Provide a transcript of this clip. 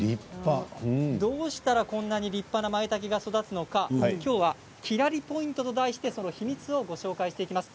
どうしたらこんな立派なまいたけが育つのかきょうはきらりポイントと題してその秘密をご紹介してまいります。